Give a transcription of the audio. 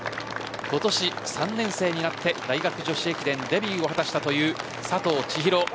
今年３年生になって大学女子駅伝デビューを果たした佐藤千紘。